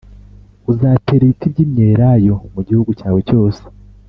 uzatera ibiti by’imyelayo mu gihugu cyawe cyose,